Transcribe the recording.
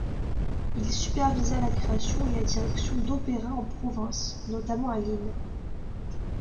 Il supervisa la création et la direction d'opéras en province, notamment à Lille.